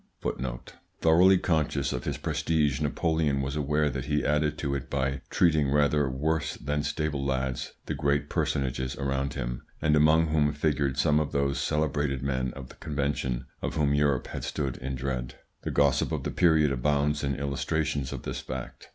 Thoroughly conscious of his prestige, Napoleon was aware that he added to it by treating rather worse than stable lads the great personages around him, and among whom figured some of those celebrated men of the Convention of whom Europe had stood in dread. The gossip of the period abounds in illustrations of this fact.